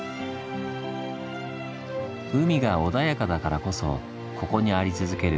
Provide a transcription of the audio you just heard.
海が穏やかだからこそここにあり続ける舟屋。